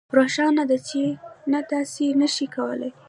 روښانه ده چې نه داسې نشئ کولی